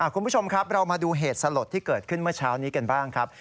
คุณผู้ชมครับเรามาดูเหตุสลดที่เกิดขึ้นเมื่อเช้านี้กันบ้างครับ